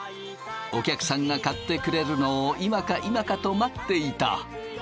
お客さんが買ってくれるのを今か今かと待っていた。